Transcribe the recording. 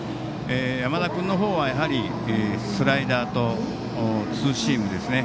山田君のほうはスライダーとツーシームですね。